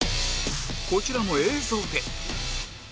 こちらも映像で